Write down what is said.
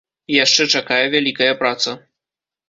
Яшчэ чакае вялікая праца.